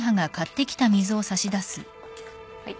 はい。